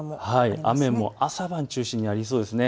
雨も朝晩を中心にありそうです。